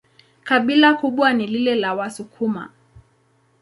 Kabila kubwa ni lile la Wasukuma.